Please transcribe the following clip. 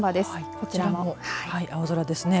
こちらも青空ですね。